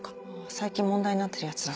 最近問題になってるやつだ。